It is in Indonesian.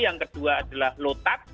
yang kedua adalah lotat